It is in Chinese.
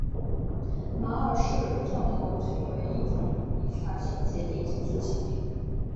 马凡氏症候群为一种遗传性结缔组织疾病。